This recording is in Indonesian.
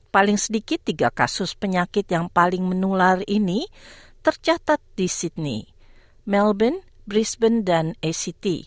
paling sedikit tiga kasus penyakit yang paling menular ini tercatat di sydney melbourne brisbane dan act